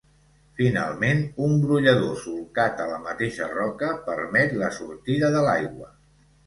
Finalment un brollador solcat a la mateixa roca, permet la sortida de l'aigua.